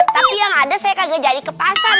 tapi yang ada saya kagak jadi ke pasar